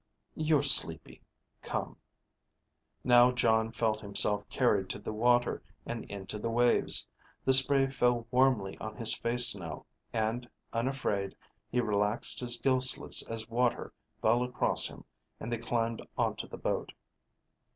"You're sleepy. Come." Now Jon felt himself carried to the water and into the waves. The spray fell warmly on his face now, and unafraid, he relaxed his gill slits as water fell across him and they climbed onto the boat.